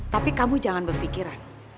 tapi kamu jangan berpikiran